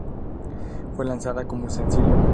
Fue lanzada como sencillo.